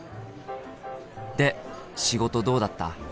で仕事どうだった？